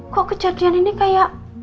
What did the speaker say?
kok kejadian ini kayak